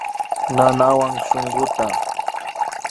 Nanawan shunkuta